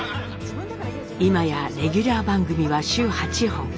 今やレギュラー番組は週８本。